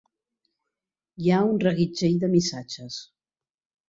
Hi ha un reguitzell de missatges.